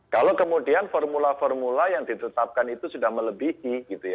kalau kemudian formula formula yang ditetapkan itu sudah melebihi